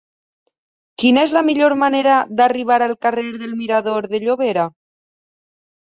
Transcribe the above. Quina és la millor manera d'arribar al carrer del Mirador de Llobera?